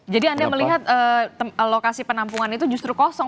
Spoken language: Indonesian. jadi anda melihat lokasi penampungan itu justru kosong